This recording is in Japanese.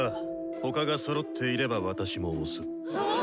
他がそろっていれば私も押す。